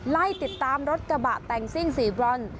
ไล่ติดตามรถกระบะแต่งซิ่งสีบรอน